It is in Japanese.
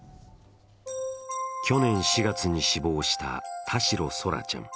去年４月に死亡した田代空来ちゃん。